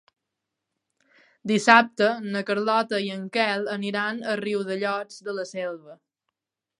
Dissabte na Carlota i en Quel aniran a Riudellots de la Selva.